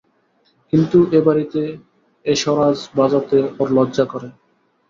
কিন্তু এ বাড়িতে এসরাজ বাজাতে ওর লজ্জা করে।